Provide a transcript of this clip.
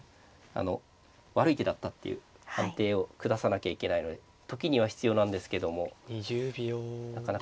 あの悪い手だったっていう判定を下さなきゃいけないので時には必要なんですけどもなかなかできないですね。